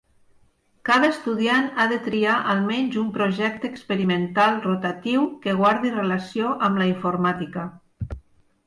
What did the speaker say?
Cada estudiant ha de triar almenys un projecte experimental rotatiu que guardi relació amb la informàtica.